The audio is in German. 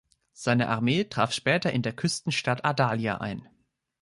Seine Armee traf später in der Küstenstadt Adalia ein.